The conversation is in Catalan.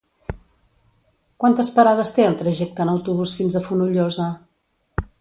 Quantes parades té el trajecte en autobús fins a Fonollosa?